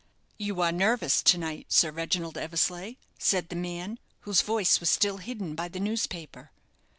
"You are nervous to night, Sir Reginald Eversleigh," said the man, whose voice was still hidden by the newspaper.